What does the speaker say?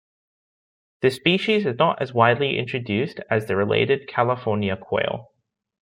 The species is not as widely introduced as the related California quail.